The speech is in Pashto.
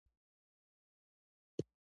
زما اکا ښه سړی دی